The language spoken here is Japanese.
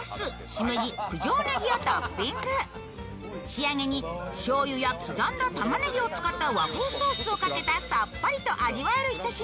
仕上げにしょうゆや刻んだたまねぎを使った和風ソースをかけたさっぱりと味わえるひと品。